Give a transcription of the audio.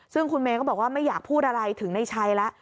ซึ่งคุณเมย์ก็บอกว่าไม่อยากพูดอะไรถึงในชัยแล้ว